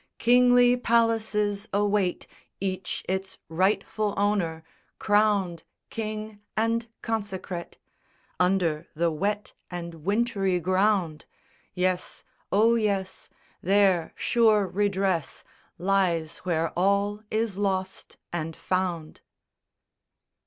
Kingly palaces await Each its rightful owner, crowned King and consecrate, Under the wet and wintry ground! Yes; oh, yes! There sure redress Lies where all is lost and found.